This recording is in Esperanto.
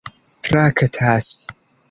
traktas